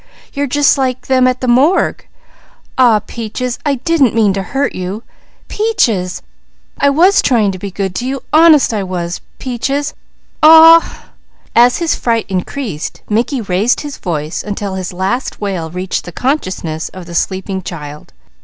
You're just like them at the morgue. Aw Peaches! I didn't mean to hurt you, Peaches! I was trying to be good to you. Honest I was, Peaches! Aw !" As his fright increased Mickey raised his voice until his last wail reached the consciousness of the sleeping child.